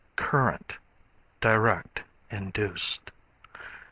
Current, Direct Induced.